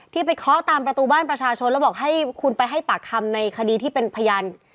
ไปเคาะตามประตูบ้านประชาชนแล้วบอกให้คุณไปให้ปากคำในคดีที่เป็นพยาน